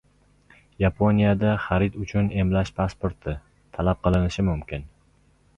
Yaponiyada xarid uchun “emlash pasporti” talab qilinishi mumkin